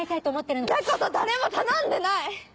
んなこと誰も頼んでない！